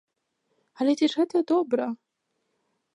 Але ці ж гэта добра?